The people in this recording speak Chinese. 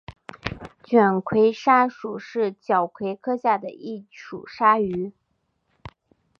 卷盔鲨属是角鲨科下的一属鲨鱼。